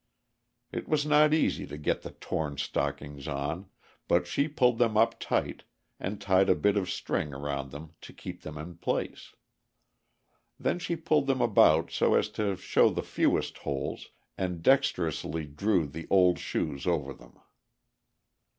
It was not easy to get the torn stockings on, but she pulled them up tight, and tied a bit of string around them to keep them in place. Then she pulled them about so as to show the fewest holes, and dexterously drew the old shoes over them.